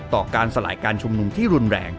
ต่อการสลายการชุมนุมที่รุนแรง